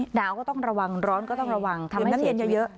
หนาวก็ต้องระวังร้อนก็ต้องระวังทำให้เสพชีวิต